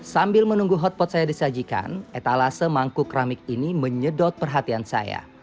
sambil menunggu hotpot saya disajikan etalase mangkuk ramik ini menyedot perhatian saya